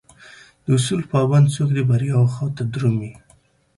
داصول پابند څوک دبریاوخواته درومي